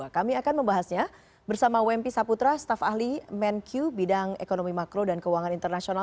kami akan membahasnya bersama wempi saputra staf ahli menq bidang ekonomi makro dan keuangan internasional